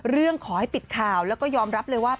เรื่องขอให้ปิดข่าวแล้วก็ยอมรับเลยว่า